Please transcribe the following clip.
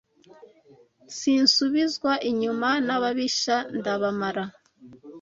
Sinsubizwa inyuma n'ababisha ndabamara